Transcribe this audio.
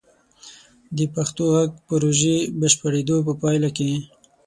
د پښتو غږ پروژې بشپړیدو په پایله کې: